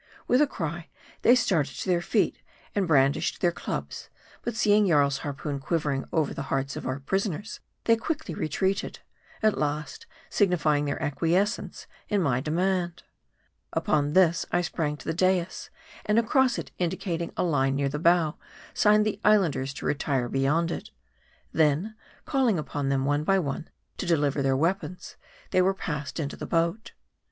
With a cry, they started to their feet, and brandished their clubs ; but, seeing Jarl's harpoon quivering over the hearts of our prisoners, they quickly retreated ; at last signifying their acquiescence in my demand. Upon this, f I sprang to the dais, and across it in dicating a line near the bow, signed the Islanders to retire beyond it. Then, calling upon them one by one to deliver their weapons, they were passed into the boat.